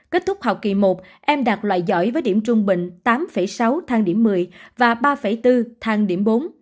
kết thúc học kỳ một em đạt loại giỏi với điểm trung bình tám sáu thang điểm một mươi và ba bốn thang điểm bốn